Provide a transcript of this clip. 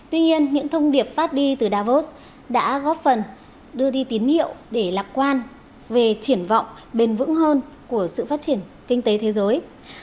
tuy nhiên những thông điệp phát đi từ davos đã góp phần đưa đi tín hiệu để lạc quan về triển vọng bền vững hơn của sự phát triển kinh tế thế giới